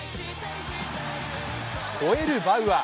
ほえるバウアー。